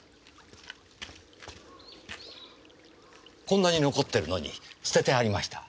こんなに残ってるのに捨ててありました。